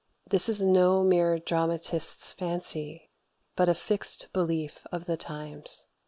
This is no mere dramatist's fancy, but a fixed belief of the times.